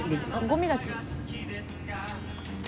ゴミだけ。